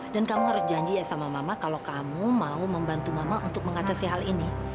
dan kamu harus janji ya sama mama kalau kamu mau membantu mama untuk mengatasi hal ini